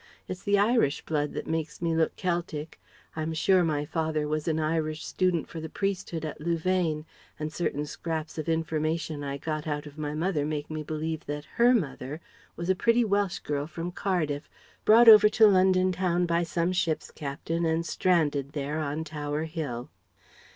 It's the Irish blood that makes me look Keltic I'm sure my father was an Irish student for the priesthood at Louvain, and certain scraps of information I got out of mother make me believe that her mother was a pretty Welsh girl from Cardiff, brought over to London Town by some ship's captain and stranded there, on Tower Hill.